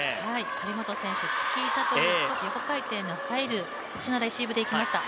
張本選手、チキータという少し横回転の入るレシーブでいきました。